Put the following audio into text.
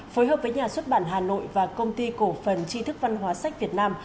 phối hợp với nhà xuất bản hà nội và công ty cổ phần tri thức văn hóa sách việt nam